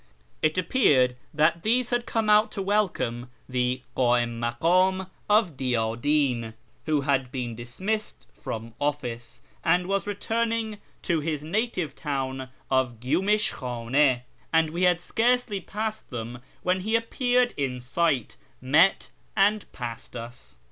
It appeared that these had come out to welcome the KdHm makdm of Diyadi'n, who had been dismissed from office, and was returning to his native town of Gyumish Khdne ; and we had scarcely passed them when he appeared in sight, met, and passed us.